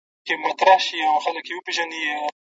دې جهان ته بیا هیڅوک نه راګرځي.